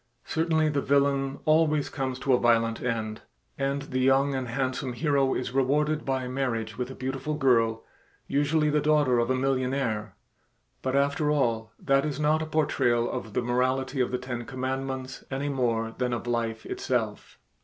Certainly the villain always comes to a violent end, and the young and handsome hero is rewarded by marriage with a beautiful girl, usually the daughter of a millionaire, but after all that is not a portrayal of the morality of the ten commandments any more than of life itself.